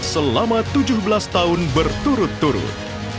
selama tujuh belas tahun berturut turut